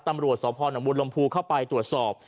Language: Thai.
ตำรวจศพหนังวลลมภูเข้าไปตรวจสอบ